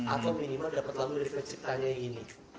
atau minimal dapet lagu dari penciptanya yang gini